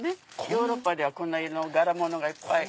ヨーロッパではこんな柄物がいっぱい。